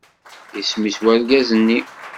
Isem-is urgaz-nni?